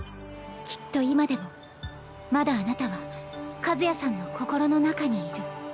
きっと今でもまだあなたは和也さんの心の中にいる。